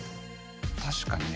確かにね。